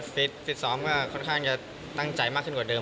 ฟิตซ้อมก็ค่อนข้างจะตั้งใจมากขึ้นกว่าเดิม